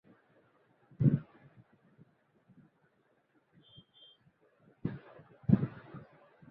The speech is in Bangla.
পিতার জীবদ্দশায় তাকে সামারায় আব্বাসীয় দরবারে অংশ নেয়ার জন্য পাঠানো হয়েছিল।